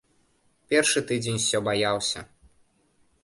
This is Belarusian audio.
Першы тыдзень усё баяўся.